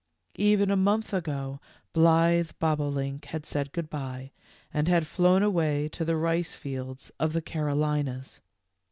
Even a month ago blithe Bobolink had said " Good by," and had flown away to the rice fields of the Carolinas.